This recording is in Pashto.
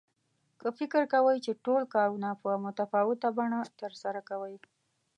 که فکر کوئ چې ټول کارونه په متفاوته بڼه ترسره کوئ.